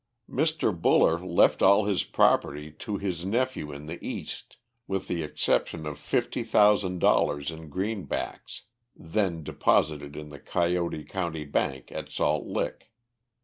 Mr. Buller left all his property to his nephew in the East with the exception of fifty thousand dollars in greenbacks, then deposited in the Coyote County Bank at Salt Lick.